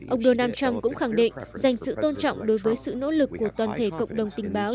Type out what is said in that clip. ông donald trump cũng khẳng định dành sự tôn trọng đối với sự nỗ lực của toàn thể cộng đồng tình báo